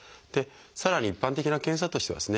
さらに一般的な検査としてはですね